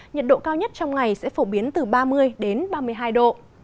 nhiệt độ cao nhất trong ngày sẽ phổ biến từ ba mươi đến ba mươi hai độ